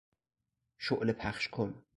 شعله پخشکن